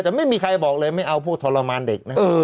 แต่ไม่มีใครบอกเลยไม่เอาพวกทรมานเด็กนะ